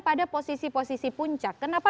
pada posisi posisi puncak kenapa